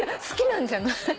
好きなんじゃない？